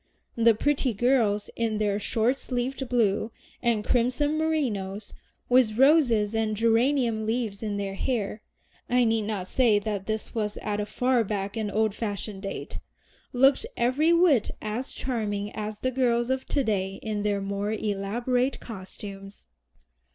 The pretty girls in their short sleeved blue and crimson merinos, with roses and geranium leaves in their hair (I need not say that this was at a far back and old fashioned date), looked every whit as charming as the girls of to day in their more elaborate costumes.